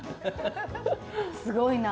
すごいな。